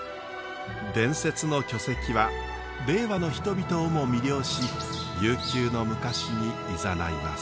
伝説の巨石は令和の人々をも魅了し悠久の昔にいざないます。